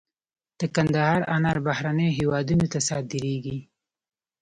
د کندهار انار بهرنیو هیوادونو ته صادریږي